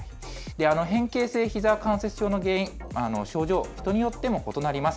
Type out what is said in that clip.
変形性ひざ関節症の原因、症状、人によっても異なります。